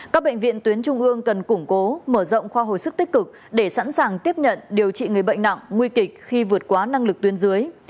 các bệnh viện tuyến trung ương cần củng cố mở rộng khoa hồi sức tích cực để sẵn sàng tiếp nhận điều trị người bệnh nặng nguy kịch khi vượt quá năng lực tuyên dưới